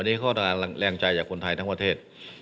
มีข้อตราญแรงใจจากคนไทยทั้งประเทศ